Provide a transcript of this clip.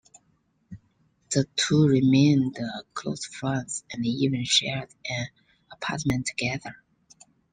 The two remained close friends and even shared an apartment together.